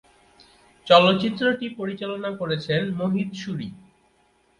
চলচ্চিত্রটি পরিচালনা করেছেন মোহিত সুরি।